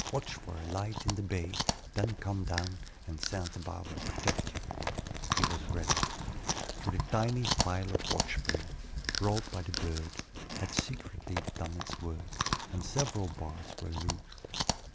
Watch for a light in the bay. Then come down, and St. Barbe protect you," he was ready; for the tiny file of watch spring, brought by the bird, had secretly done its work, and several bars were loose.